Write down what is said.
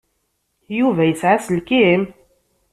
Yuba yesɛa aselkim?